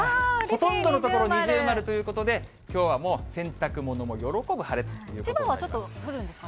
ほとんどの所、二重丸ということで、きょうはもう洗濯物も喜ぶ晴れということになります。